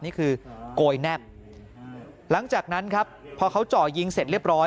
นี่คือโกยแนบหลังจากนั้นครับพอเขาเจาะยิงเสร็จเรียบร้อย